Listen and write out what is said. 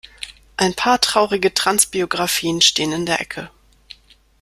Ein paar traurige Trans-Biografien stehen in der Ecke.